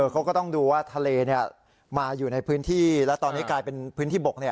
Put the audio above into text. เขาก็ต้องดูว่าทะเลมาอยู่ในพื้นที่และตอนนี้กลายเป็นพื้นที่บก